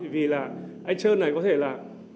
vì là anh sơn này có thể là